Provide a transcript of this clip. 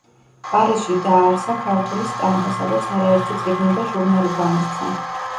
პარიზში დააარსა ქართული სტამბა, სადაც არაერთი წიგნი და ჟურნალი გამოსცა.